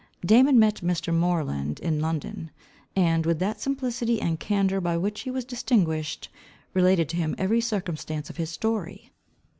Damon met Mr. Moreland in London, and, with that simplicity and candour by which he was distinguished, related to him every circumstance of his story.